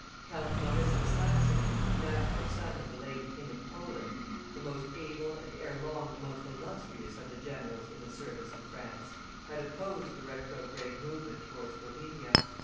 Count Maurice of Saxony, natural son of the late King of Poland, the most able and ere long the most illustrious of the generals in the service of France, had opposed the retrograde movement towards Bohemia.